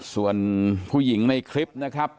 ส่วนผู้หญิงในคลิปนะครับ